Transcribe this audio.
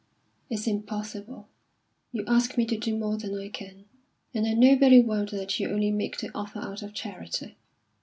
"It's impossible. You ask me to do more than I can. And I know very well that you only make the offer out of charity.